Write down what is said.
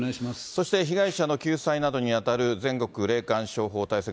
そして被害者の救済などに当たる、全国霊感商法対策